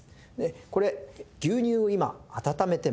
これ牛乳を今温めてます。